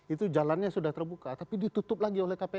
itu jalannya sudah terbuka tapi ditutup lagi oleh kpu